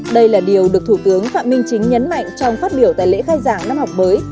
đây là điều được thủ tướng phạm minh chính nhấn mạnh trong phát biểu tại lễ khai giảng năm học mới